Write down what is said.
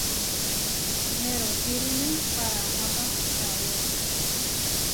Nerohírune paramoápa kawé.